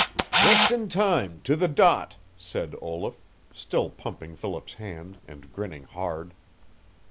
"Just in time to the dot," said Olaf, still pumping Philip's hand, and grinning hard.